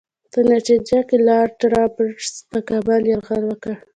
په نتیجه کې لارډ رابرټس پر کابل یرغل وکړ.